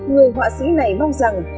người họa sĩ này mong rằng